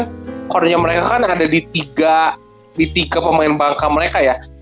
kalo gue liat kan core nya mereka kan ada di tiga pemain bangka mereka ya